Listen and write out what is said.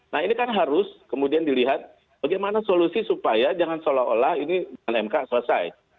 nah ini kan harus kemudian dilihat bagaimana solusi supaya jangan seolah olah ini dengan mk selesai